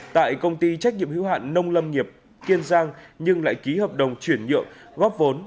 tại công ty trách nhiệm hữu hạn nông lâm nghiệp kiên giang nhưng lại ký hợp đồng chuyển nhượng góp vốn